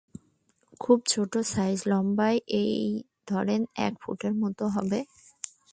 খুব ছোট সাইজ, লম্বায় এই ধরেন এক ফুটের মতো হবে।